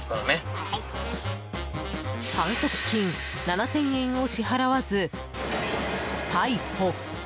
反則金７０００円を支払わず逮捕。